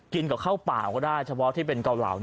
กินกับข้าวเปล่าก็ได้เฉพาะที่เป็นเกาเหลา